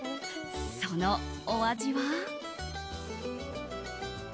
そのお味は。